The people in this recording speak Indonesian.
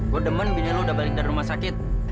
gue demen bini lu udah balik dari rumah sakit